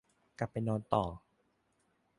กลับไปนอนต่อ